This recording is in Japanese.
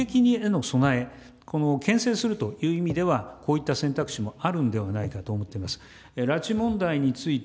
しかし第２撃への備え、けん制するという意味では、こういった選択肢もあるんではないかと思っています。